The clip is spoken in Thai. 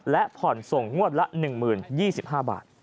และผ่อนส่งงวดละ๑๐๒๕บาท